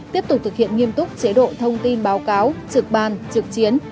tiếp tục thực hiện nghiêm túc chế độ thông tin báo cáo trực ban trực chiến